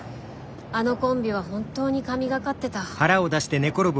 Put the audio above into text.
あのコンビは本当に神がかってた。